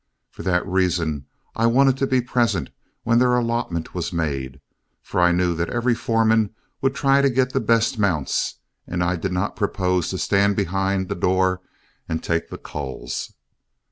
For that reason I wanted to be present when their allotment was made, for I knew that every foreman would try to get the best mounts, and I did not propose to stand behind the door and take the culls.